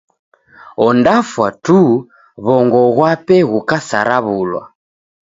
Ondafwa tu w'ongo ghwape ghukasaraw'ulwa.